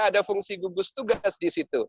ada fungsi gugus tugas di situ